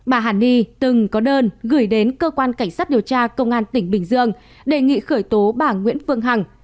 bà hàn ni từng có đơn gửi đến cơ quan cảnh sát điều tra công an tỉnh bình dương đề nghị khởi tố bà nguyễn phương hằng